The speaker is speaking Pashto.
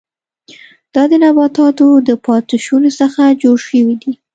دا د نباتاتو د پاتې شونو څخه جوړ شوي دي.